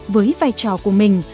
với vai trò của mình